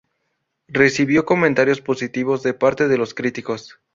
Recibió comentarios positivos de parte de los críticos.